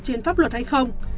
trên pháp luật hay không